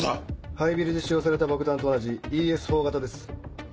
廃ビルで使用された爆弾と同じＥＳ４型です。